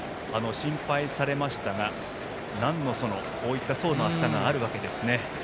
心配されましたが、なんのその層の厚さがあるわけですね。